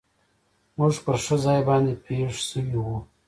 موږ پر ښه ځای باندې پېښ شوي و.